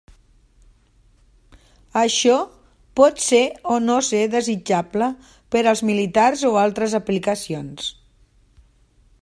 Això pot ser o no ser desitjable per als militars o altres aplicacions.